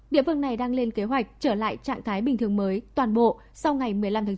địa phương này đang lên kế hoạch trở lại trạng thái bình thường mới toàn bộ sau ngày một mươi năm tháng chín